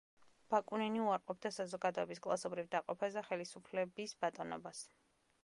ბაკუნინი უარყოფდა საზოგადოების კლასობრივ დაყოფას და ხელისუფლების ბატონობას.